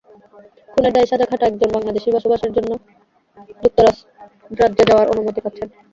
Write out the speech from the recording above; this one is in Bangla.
খুনের দায়ে সাজা খাটা একজন বাংলাদেশি বসবাসের জন্য যুক্তরাজ্যে যাওয়ার অনুমতি পাচ্ছেন।